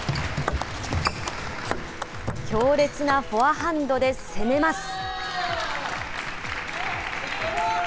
強烈なフォアハンドで攻めます。